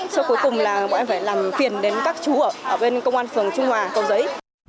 sau cuối cùng là bọn em phải làm phiền đến các chú ở bên công an phường trung hòa cầu giấy